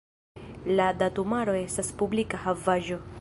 La datumaro estas publika havaĵo.